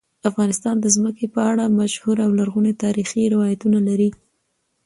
افغانستان د ځمکه په اړه مشهور او لرغوني تاریخی روایتونه لري.